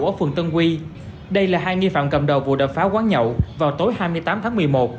ở phường tân quy đây là hai nghi phạm cầm đầu vụ đập phá quán nhậu vào tối hai mươi tám tháng một mươi một